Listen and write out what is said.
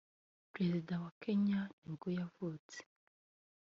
perezida wa wa Kenya nibwo yavutse